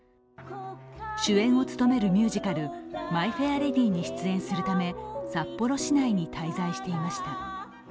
主演を務めるミュージカル「マイ・フェア・レディ」に出演するため札幌市内に滞在していました。